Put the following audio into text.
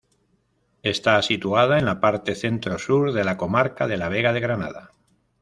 Está situada en la parte centro-sur de la comarca de la Vega de Granada.